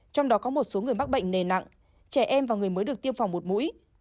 trong đó có một số người mắc bệnh nề nặng trẻ em và người mới được tiêm phòng một mũi